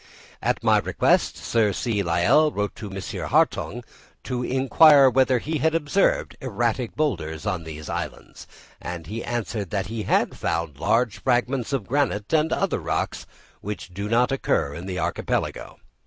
At my request Sir C. Lyell wrote to M. Hartung to inquire whether he had observed erratic boulders on these islands, and he answered that he had found large fragments of granite and other rocks, which do not occur in the archipelago.